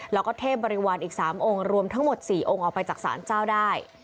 แล้วก็เทพบริวารอีก๓องค์รวมทั้งหมด๔องค์ออกไปจากศาลเจ้าได้